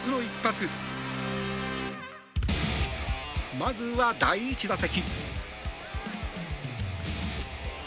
まずは、第１打席。